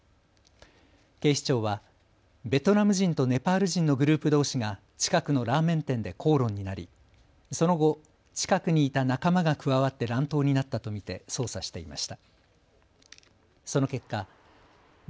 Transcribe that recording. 警視庁はベトナム人とネパール人のグループどうしが近くのラーメン店で口論になりその後、近くにいた仲間が加わって乱闘になったと見て捜査していました。